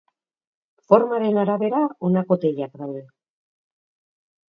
Formaren arabera, honako teilak daude.